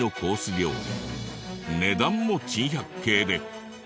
料理値段も珍百景で。